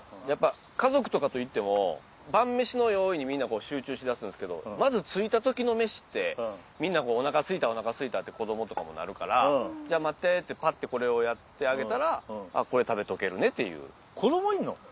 やっぱ家族とかと行っても晩飯の用意にみんな集中しだすんですけどまず着いた時の飯ってみんなもう「おなかすいたおなかすいた」って子どもとかもなるから「じゃあ待って」ってパッてこれをやってあげたら「あっこれ食べとけるね」っていう。